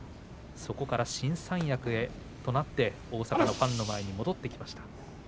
そこから新三役で新三役となって大阪のファンの前に戻ってきました。